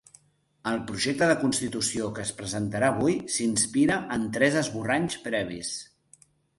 El projecte de constitució que es presentarà avui s’inspira en tres esborranys previs.